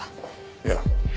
いや。